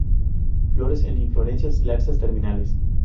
Flores en inflorescencias laxas terminales.